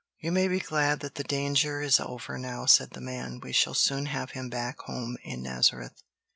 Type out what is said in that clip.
"You may be glad that the danger is over now," said the man. "We shall soon have him back home in Nazareth."